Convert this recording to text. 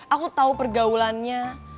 aku tahu pergaulannya